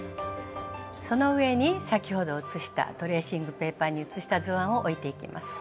その上に先ほど写したトレーシングペーパーに写した図案を置いていきます。